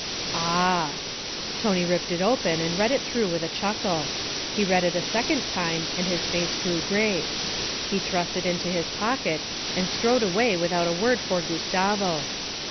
'Ah!' Tony ripped it open and read it through with a chuckle. He read it a second time and his face grew grave. He thrust it into his pocket and strode away without a word for Gustavo.